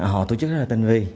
họ tổ chức rất là tinh vi